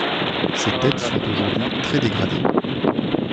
Ces têtes sont aujourd'hui très dégradées.